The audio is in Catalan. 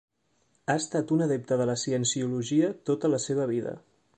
Ha estat un adepte de la Cienciologia tota la seva vida.